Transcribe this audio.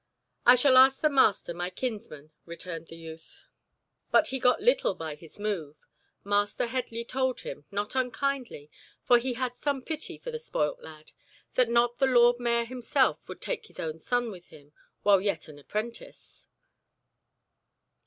"I shall ask the master, my kinsman," returned the youth. But he got little by his move. Master Headley told him, not unkindly, for he had some pity for the spoilt lad, that not the Lord Mayor himself would take his own son with him while yet an apprentice.